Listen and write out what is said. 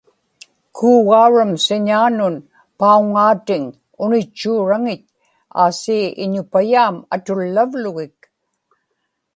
kuugauram siñaanun pauŋŋaatiŋ unitchuuraŋit aasii iñupayaam atullavlugik